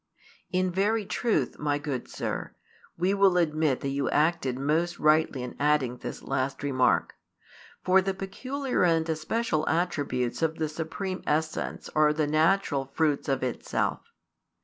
In very truth, my good sir, we will admit that you acted most rightly in adding this last remark. For the peculiar and especial attributes of the Supreme |220 Essence are the natural fruits of Itself.